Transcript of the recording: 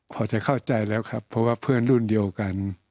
พอจะเข้าใจแล้วครับเพราะว่าเพื่อนรุ่นเดียวกัน